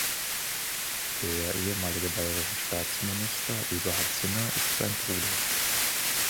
Der ehemalige bayerische Staatsminister Eberhard Sinner ist sein Bruder.